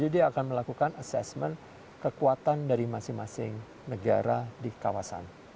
jadi dia akan melakukan assessment kekuatan dari masing masing negara di kawasan